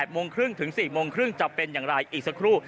โมงครึ่งถึง๔โมงครึ่งจะเป็นอย่างไรอีกสักครู่